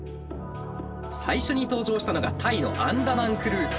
最初に登場したのがタイのアンダマン・クルー。